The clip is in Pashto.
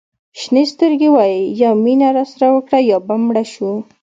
شینې سترګې وایي یا مینه راسره وکړه یا به مړه شو.